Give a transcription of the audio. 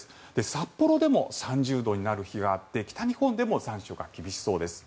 札幌でも３０度になる日があって北日本でも残暑が厳しそうです。